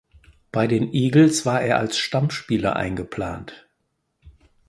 Bei den Eagles war er als Stammspieler eingeplant.